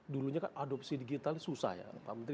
dulunya kan adopsi digital ini susah ya pak menteri